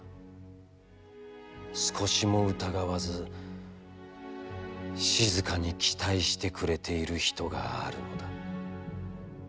少しも疑わず、静かに期待してくれている人があるのだ。